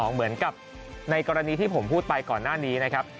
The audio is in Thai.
เหมือนกับในกรณีที่ผมพูดไปก่อนหน้านี้นะครับ